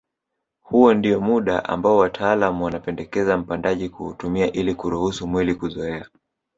Huo ndio muda ambao wataalam wanapendekeza mpandaji kuutumia ili kuruhusu mwili kuzoea